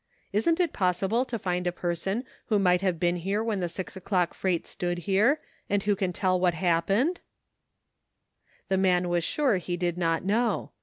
Isn't it possible to find a per son who might have been here when the six o'clock freight stood here, and who can tell what happened?" 68 '*WHAT COULD HAPPEN?'' The man was sure he did not know.